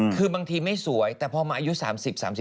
คือบางทีไม่สวยแต่พอมาอายุ๓๐๓๕มันสะพร่างขึ้นมามันต่างกันนะ